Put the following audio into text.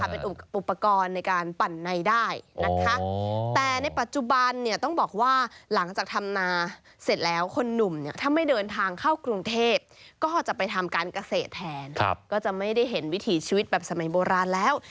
เป็นอุปกรณ์ในการปั่นในได้นะคะแต่ในปัจจุบันเนี่ยต้องบอกว่าหลังจากทำนาเสร็จแล้วคนหนุ่มเนี่ยถ้าไม่เดินทางเข้ากรุงเทพก็จะไปทำการเกษตรแทนก็จะไม่ได้เห็นวิถีชีวิตแบบสมัยโบราณแล้ว